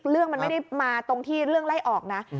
เรื่องมันไม่ได้มาตรงที่เรื่องไล่ออกนะ